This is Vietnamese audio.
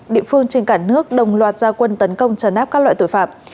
địa phương trên cả nước đồng loạt gia quân tấn công trấn áp các loại tội phạm